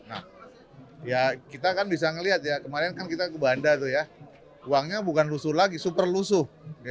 nah ya kita kan bisa melihat ya kemarin kan kita ke banda tuh ya uangnya bukan lusuh lagi super lusuh